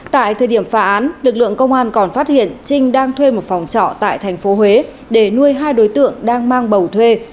tại thời điểm phá án lực lượng công an còn phát hiện trinh đang thuê một phòng trọ tại thành phố huế để nuôi hai đối tượng đang mang bầu thuê